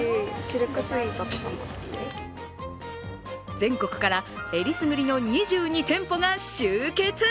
全国から選りすぐりの２２店舗が集結。